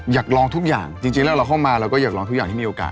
อยากลองทุกอย่างจริงแล้วเราเข้ามาเราก็อยากลองทุกอย่างที่มีโอกาส